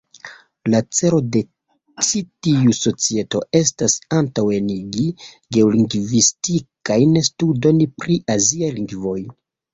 La celo de ĉi tiu Societo estas "...antaŭenigi geolingvistikajn studojn pri aziaj lingvoj.